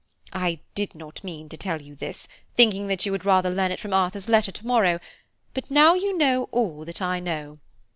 I did not mean to tell you this, thinking that you would rather learn it from Arthur's letter to morrow, but now you know all that I know.